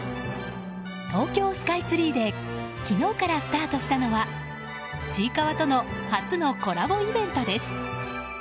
東京スカイツリーで昨日からスタートしたのは「ちいかわ」との初のコラボイベントです。